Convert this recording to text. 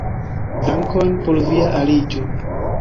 Dankon por via aliĝo!